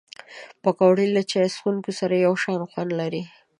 پکورې له چای څښونکو سره یو شان خوند لري